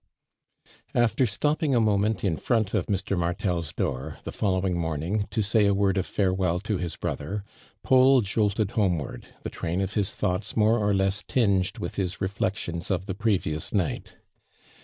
After stopping a moment in fiont of Mr. Martel's door, the following morning, to say a word of farewell to his bi other, Paul Jolted homeward, the train of his tiioughts more or less tinged with his I'eflections of the previous night.